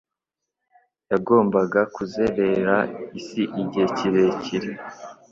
yagombaga kuzerera isi igihe kirekire